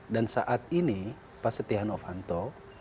dan saat ini pak setihan ovanto